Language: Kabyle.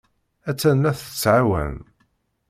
Attan la t-tettɛawan.